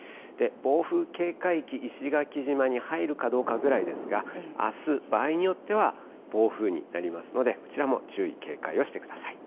暴風警戒域、石垣島に入るかどうかぐらいですが、あす、場合によっては暴風になりますので、こちらも注意、警戒をしてください。